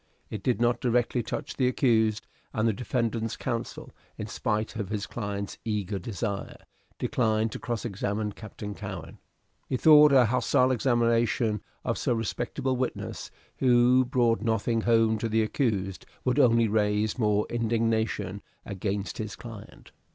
It did not directly touch the accused, and the defendant's counsel in spite of his client's eager desire declined to cross examine Captain Cowen. He thought a hostile examination of so respectable a witness, who brought nothing home to the accused, would only raise more indignation against his client.